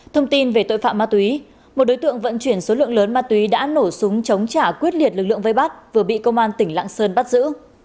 thông tin về tội phạm ma túy một đối tượng vận chuyển số lượng lớn ma túy đã nổ súng chống trả quyết liệt lực lượng vây bắt vừa bị công an tỉnh lạng sơn bắt giữ